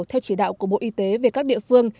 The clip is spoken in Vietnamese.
theo chỉ đạo của bộ y tế về các địa phương